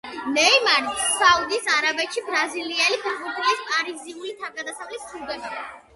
ნეიმარიც საუდის არაბეთში ბრაზილიელი ფეხბურთელის პარიზული თავგდასავალი სრულდება.